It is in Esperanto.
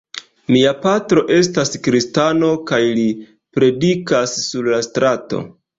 Mia patro estas kristano kaj li predikas sur la strato.